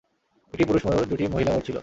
একটি পুরুষ ময়ূর দুইটি মহিলা ময়ূর ছিল।